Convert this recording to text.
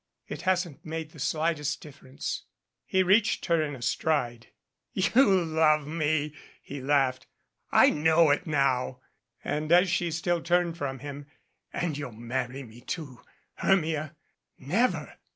"It hasn't made the slightest difference." He reached her in a stride. "You love me," he laughed. "I know it now." 'And as she still turned from him : "And you'll marry me, too, Hermia." "Never